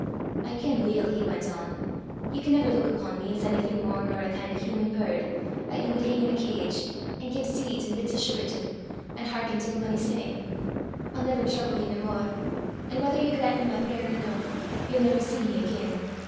"I ken weel," he went on, "ye can never luik upo' me as onything mair nor a kin' o' a human bird, 'at ye wad hing in a cage, an' gie seeds an' bits o' sugar till, an' hearken till whan he sang. I'll never trouble ye nae mair, an' whether ye grant me my prayer or no, ye'll never see me again.